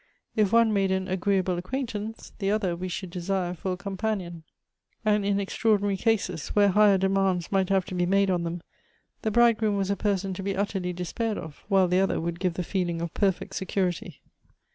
If one made an agi eeable acquaintance, the other we should desire for a companion ; and in ex traordinary cases, where higher demands might have to be made on them, the bridegroom was a person to be utterly despaired of, while the other would give the feel ing of perfect security.